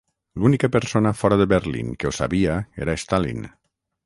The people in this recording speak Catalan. L'única persona fora de Berlín que ho sabia era Stalin.